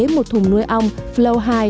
một thùng nuôi ong flow hai